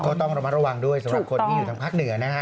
ก็ต้องระมัดระวังด้วยสำหรับคนที่อยู่ทางภาคเหนือนะฮะ